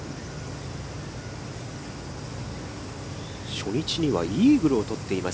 初日にはイーグルをとっています。